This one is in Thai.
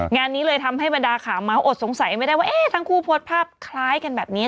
งานนี้เลยทำให้บรรดาขาเมาสอดสงสัยไม่ได้ว่าเอ๊ะทั้งคู่โพสต์ภาพคล้ายกันแบบนี้